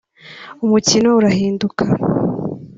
umukino urahinduka